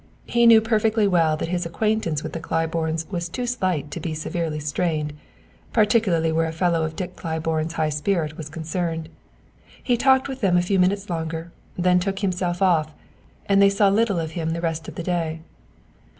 He knew perfectly well that his acquaintance with the Claibornes was too slight to be severely strained, particularly where a fellow of Dick Claiborne's high spirit was concerned. He talked with them a few minutes longer, then took himself off; and they saw little of him the rest of the day.